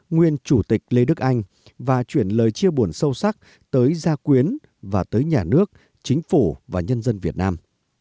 nguyên chủ tịch lê đức anh và chuyển lời chia buồn sâu sắc tới gia quyến và tới nhà nước chính phủ và nhân dân việt nam